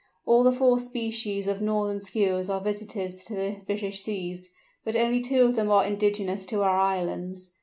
All the four species of northern Skuas are visitors to the British Seas, but only two of them are indigenous to our islands.